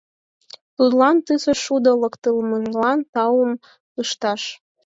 Тудлан тысе шудо локтылмыжлан таум ышташ?!.